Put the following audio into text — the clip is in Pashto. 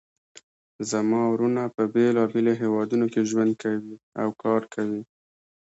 زما وروڼه په بیلابیلو هیوادونو کې ژوند کوي او کار کوي